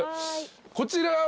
こちらは？